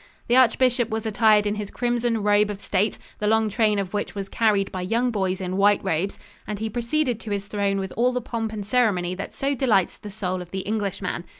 The archbishop was attired in his crimson robe of state, the long train of which was carried by young boys in white robes, and he proceeded to his throne with all the pomp and ceremony that so delights the soul of the Englishman.